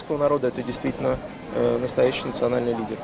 nó là một người đối tượng thực sự nông dân